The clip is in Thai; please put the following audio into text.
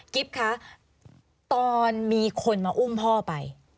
คะตอนมีคนมาอุ้มพ่อไป